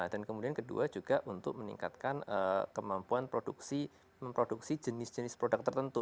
dan kemudian kedua juga untuk meningkatkan kemampuan produksi memproduksi jenis jenis produk tertentu